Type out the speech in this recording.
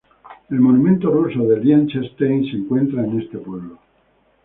El Monumento Ruso de Liechtenstein se encuentra en este pueblo.